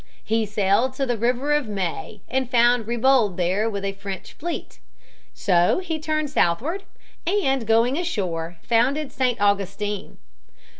He sailed to the River of May and found Ribault there with a French fleet. So he turned southward, and going ashore founded St. Augustine.